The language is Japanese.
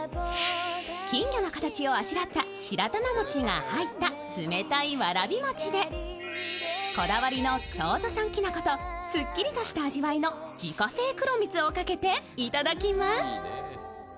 金魚の形をあしらった白玉餅が入った冷たいわらび餅でこだわりの京都産きなこと、すっきりとした味わいの自家製黒蜜をかけていただきます。